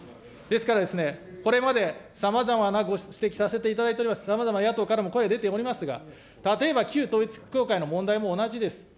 ですからですね、これまでさまざまなご指摘させていただいております、さまざま、野党からも声出ておりますが、例えば旧統一教会の問題も同じです。